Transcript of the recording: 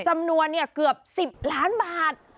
จำนวนเกือบ๑๐ล้านบาท